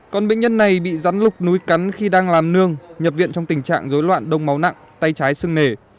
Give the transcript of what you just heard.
còn bệnh nhân này bị rắn lục núi cắn khi đang làm nương nhập viện trong tình trạng dối loạn đông máu nặng tay trái sưng nề